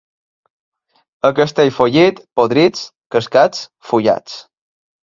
A Castellfollit podrits, cascats, fullats.